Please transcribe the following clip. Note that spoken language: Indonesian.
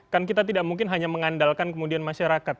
kan kita tidak mungkin hanya mengandalkan kemudian masyarakat